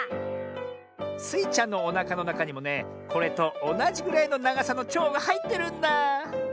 スイちゃんのおなかのなかにもねこれとおなじぐらいのながさのちょうがはいってるんだあ。